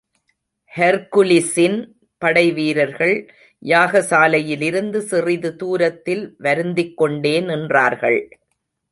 ஹெர்க்குலிஸின் படைவீரர்கள் யாகசாலையிலிருந்து சிறிது தூரத்தில் வருந்திக்கொண்டே நின்றார்கள்.